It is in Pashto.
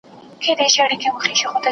¬ بېزاره دي له خيره، سپي دي در گرځوه.